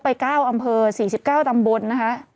ไป๙อำเภอ๔๙ตำบลนะคะ